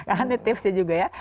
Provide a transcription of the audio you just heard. nah ini tipsnya juga ya